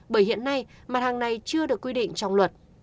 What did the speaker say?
bởi hiện nay mặt hàng này chưa được quy định trong luật